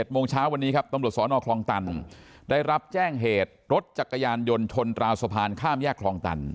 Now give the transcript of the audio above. โมงเช้าวันนี้ครับตำรวจสนคลองตันได้รับแจ้งเหตุรถจักรยานยนต์ชนราวสะพานข้ามแยกคลองตัน